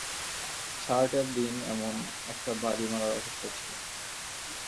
সারাটা দিন এমন একটা বাড়ি মারার অপেক্ষায় ছিলাম।